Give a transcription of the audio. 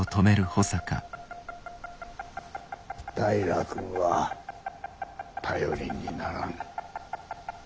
平君は頼りにならん。